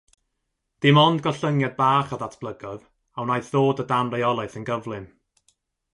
Dim ond gollyngiad bach a ddatblygodd, a wnaeth ddod o dan reolaeth yn gyflym.